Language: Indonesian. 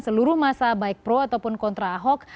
seluruh masa baik pro ataupun kontra ahok